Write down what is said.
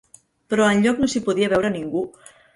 Però enlloc no s'hi podia veure ningú.